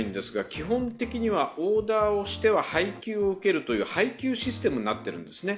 基本的にはオーダーをしては配給を受けるという配給システムになっているんですね。